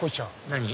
何？